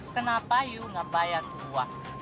kenapa yu ga bayar dua